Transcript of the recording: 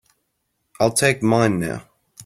I'll take mine now.